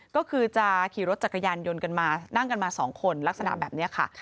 ก็คือจะขี่รถจักรยานยนต์กันมานั่งกันมา๒คนลักษณะแบบนี้ค่ะ